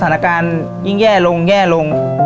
สถานการณ์ยิ่งแย่ลงแย่ลง